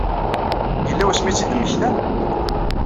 Yella wasmi i tt-id-mmektan?